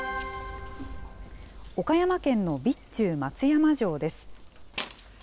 岡山県の備中松山城です。